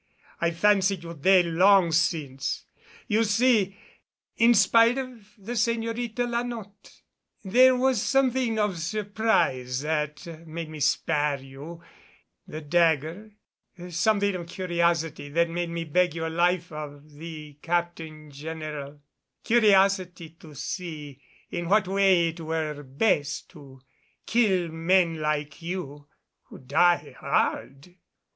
I fancied you dead long since, you see, in spite of the Señorita La Notte. There was something of surprise that made me spare you the dagger something of curiosity that made me beg your life of the Captain General curiosity to see in what way it were best to kill men like you who die hard."